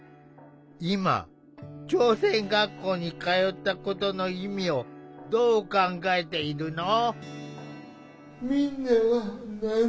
今朝鮮学校に通ったことの意味をどう考えているの？